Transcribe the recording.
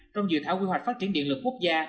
trong dự thảo quy hoạch phát triển điện lực quốc gia